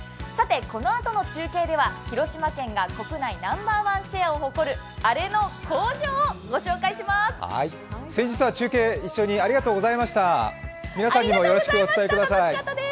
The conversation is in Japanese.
このあとの中継では広島県が国内ナンバーワンシェアを誇るあれの工場の御紹介します。